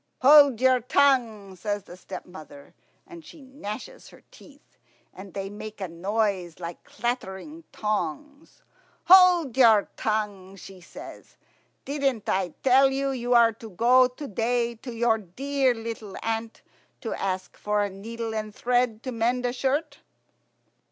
"Hold your tongue," says the stepmother, and she gnashes her teeth, and they make a noise like clattering tongs. "Hold your tongue," she says. "Didn't I tell you you are to go to day to your dear little aunt to ask for a needle and thread to mend a shirt?"